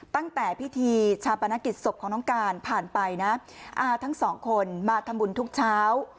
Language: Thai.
ตั้งแต่พิธีชาปนกิจศพของน้องการผ่านไปนะอาทั้งสองคนมาทำบุญทุกเช้า